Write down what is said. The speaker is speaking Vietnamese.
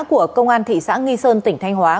của công an thị xã nghi sơn tỉnh thanh hóa